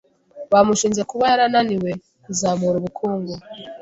Bamushinje kuba yarananiwe kuzamura ubukungu.